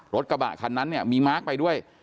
รถกระบะคันนั้นเนี่ยมีมาร์คไปด้วย